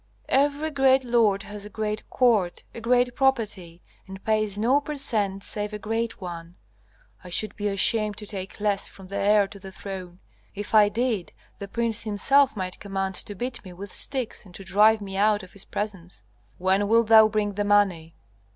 "Every great lord has a great court, a great property, and pays no per cent save a great one. I should be ashamed to take less from the heir to the throne; if I did the prince himself might command to beat me with sticks and to drive me out of his presence." "When wilt thou bring the money?"